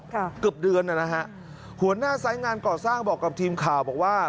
เกือบเดือนน่ะนะฮะหัวหน้าสายงานก่อสร้างบอกกับทีมข่าวบอกว่า